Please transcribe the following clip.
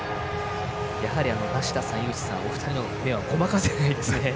梨田さん、井口さんのお二人の目はごまかせないですね。